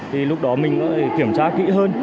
thì lúc đó mình có thể kiểm tra kỹ hơn